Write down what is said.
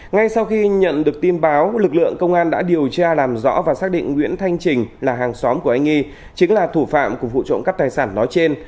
ngay sau khi nhận được tin báo lực lượng công an đã điều tra làm rõ và xác định nguyễn thanh trình là hàng xóm của anh y chính là thủ phạm của vụ trộm cắp tài sản nói trên